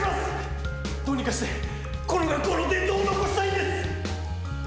どうにかしてこの学校の伝統を残したいんです。